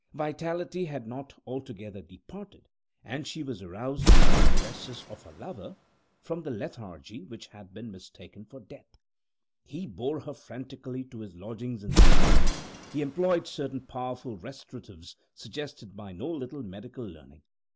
Vitality had not altogether departed, and she was aroused by the caresses of her lover from the lethargy which had been mistaken for death. He bore her frantically to his lodgings in the village. He employed certain powerful restoratives suggested by no little medical learning.